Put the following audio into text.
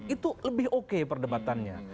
itu lebih oke perdebatannya